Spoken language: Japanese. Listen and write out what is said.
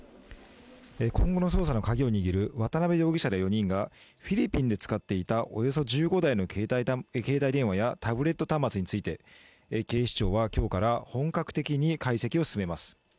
今後の捜査のカギを握る渡辺容疑者ら４人はフィリピンで使っていたおよそ１５台の携帯電話やタブレット端末について、警視庁は今日から本格的に解析を進めます。